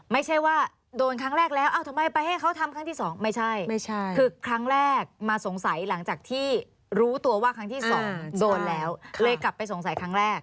ไม่ใช่ว่าโดนครั้งแรกแล้วทำไมไปให้เขาทำครั้งที่สองไม่ใช่คือครั้งแรกมาสงสัยหลังจากที่รู้ตัวว่าครั้งที่สองโดนแล้วเลยกลับไปสงสัยครั้งแรก